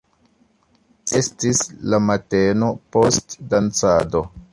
Estis la mateno post dancado.